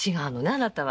あなたは。